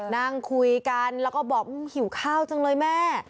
นั่งคุยกันแล้วก็บอกหิวข้าวจังเลยแม่